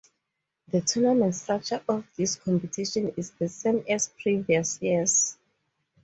The tournament structure of this competition is the same as in previous years.